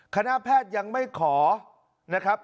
คณะแพทย์ยังไม่ขอนะครับ